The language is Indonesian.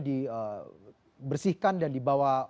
dibersihkan dan dibawa